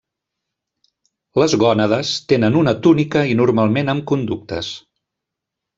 Les gònades tenen una túnica i normalment amb conductes.